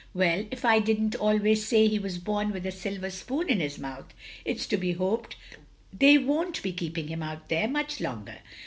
Well, if I did n't always say he was bom with a silver spoon in his mouth. It 's to be hoped they won't be keeping him out there much longer."